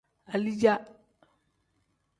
Alija.